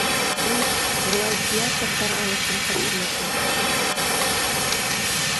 Ул гладиаторҙар алышын хәтерләтә.